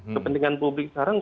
kepentingan publik sekarang